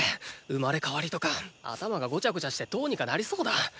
生まれ変わりとか頭がゴチャゴチャしてどーにかなりそうだ！